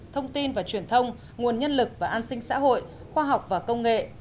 thông tin và truyền thông nguồn nhân lực và an sinh xã hội khoa học và công nghệ